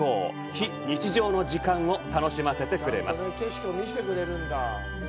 非日常の時間を楽しませてくれます。